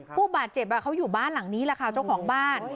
ผู้บาดเจ็บเขาอยู่บ้านหลังนี้แหละค่ะเจ้าของบ้าน